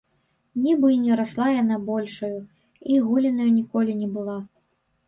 Нібы і не расла яна большаю, і голенаю ніколі не была.